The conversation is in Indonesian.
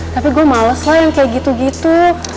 tapi gue males lah yang kayak gitu gitu